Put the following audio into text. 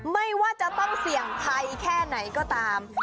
ไม่ว่าจะต้องเสี่ยงภัยแค่ไหนก็ตาม